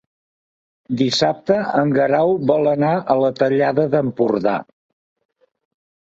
Dissabte en Guerau vol anar a la Tallada d'Empordà.